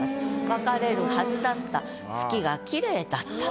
「別れるはずだった月が綺麗だった」と。